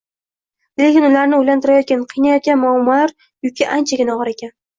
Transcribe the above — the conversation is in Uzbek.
Lekin ularni oʻylantirayotgan, qiynayotgan muammolar yuki anchagina ogʻir ekan